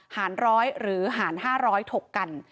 หารร้อยหรือหารห้าร้อยถกกัน